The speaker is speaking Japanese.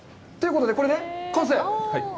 これで完成？